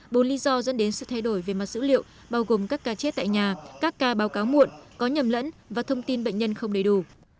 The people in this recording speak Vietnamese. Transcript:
bốn lý do dẫn đến sự thay đổi về mặt dữ liệu bao gồm các ca chết tại nhà các ca báo cáo muộn có nhầm lẫn và thông tin bệnh nhân không đầy đủ